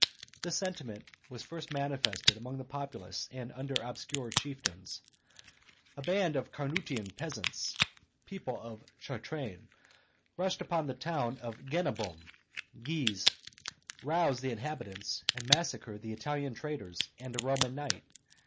This sentiment was first manifested amongst the populace and under obscure chieftains; a band of Carnutian peasants (people of Chartrain) rushed upon the town of Genabum (Gies), roused the inhabitants, and massacred the Italian traders and a Roman knight, C.